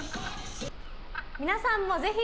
皆さんもぜひ。